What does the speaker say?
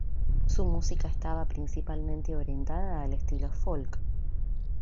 Su música estaba principalmente orientada al estilo "folk".